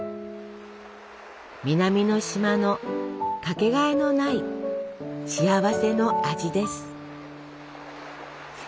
南の島の掛けがえのない幸せの味です。